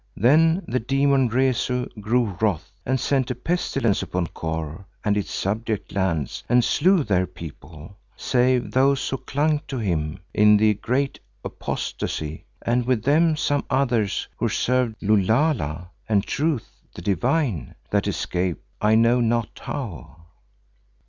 Then the demon, Rezu, grew wroth and sent a pestilence upon Kôr and its subject lands and slew their people, save those who clung to him in the great apostasy, and with them some others who served Lulala and Truth the Divine, that escaped I know not how."